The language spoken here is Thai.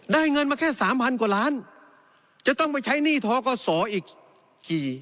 เงินมาแค่สามพันกว่าล้านจะต้องไปใช้หนี้ท้อกศอีกกี่